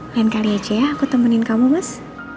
lain kali aja ya aku temenin kamu mas